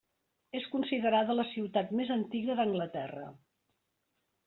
És considerada la ciutat més antiga d'Anglaterra.